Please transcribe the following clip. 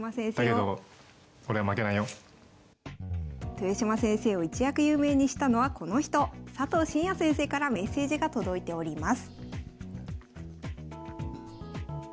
豊島先生を一躍有名にしたのはこの人佐藤紳哉先生からメッセージが届いております。